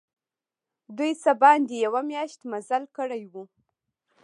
دوی څه باندي یوه میاشت مزل کړی وو.